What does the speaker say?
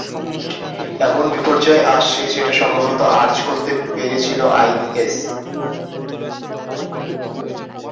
এমন বিপর্যয় আসছে, সেটা সম্ভবত আঁচ করতে পেরেছিল আইএস।